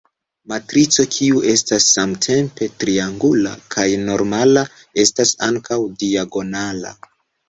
Matrico kiu estas samtempe triangula kaj normala, estas ankaŭ diagonala.